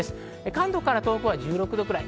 関東から東北は１６度くらい。